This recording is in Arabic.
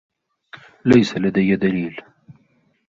ليس لدي دليل.